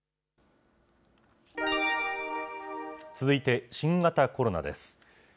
続いて、新型コロナです。